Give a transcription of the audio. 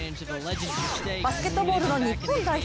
バスケットボールの日本代表